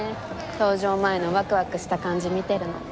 搭乗前のワクワクした感じ見てるの。